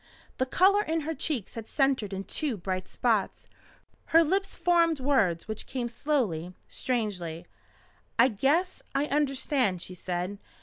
The colour in her cheeks had centred in two bright spots. Her lips formed words which came slowly, strangely. "I guess I understand," she said.